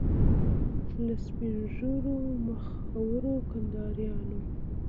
له سپین ږیرو مخورو کنداریانو.